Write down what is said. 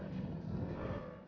kabur lagi kejar kejar kejar